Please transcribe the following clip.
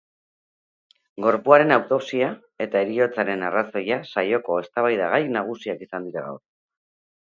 Gorpuaren autopsia eta heriotzaren arrazoia saioko eztabaidagai nagusiak izan dira gaur.